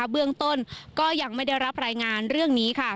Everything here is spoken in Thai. เบื้องต้นก็ยังไม่ได้รับรายงานเรื่องนี้